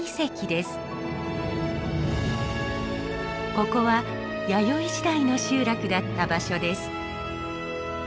ここは弥生時代の集落だった場所です。